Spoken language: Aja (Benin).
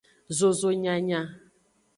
Zozo nyanya.